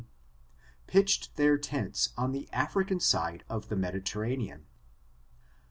C, pitched their tents on the African side of the Medi terranean.